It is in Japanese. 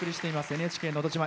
「ＮＨＫのど自慢」。